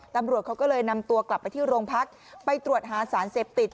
ตำรวจเขาก็เลยนำตัวกลับไปที่โรงพักไปตรวจหาสารเสพติด